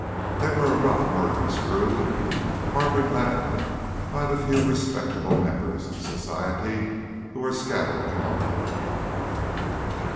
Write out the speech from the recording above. They were a rough, murderous crew, hardly leavened by the few respectable members of society who were scattered among them.